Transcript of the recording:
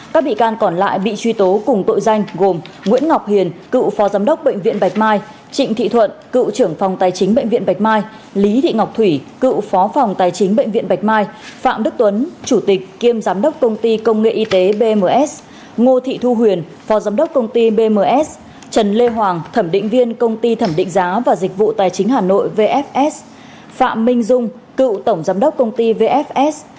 các bị can còn lại bị truy tố cùng tội danh gồm nguyễn ngọc hiền cựu phó giám đốc bệnh viện bạch mai trịnh thị thuận cựu trưởng phòng tài chính bệnh viện bạch mai lý thị ngọc thủy cựu phó phòng tài chính bệnh viện bạch mai phạm đức tuấn chủ tịch kiêm giám đốc công ty công nghệ y tế bms ngô thị thu huyền phó giám đốc công ty bms trần lê hoàng thẩm định viên công ty thẩm định giá và dịch vụ tài chính hà nội vfs phạm minh dung cựu tổng giám đốc công ty vfs